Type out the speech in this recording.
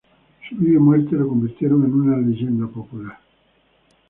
Su vida y muerte lo convirtieron en una leyenda popular.